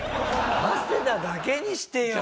早稲田だけにしてよ！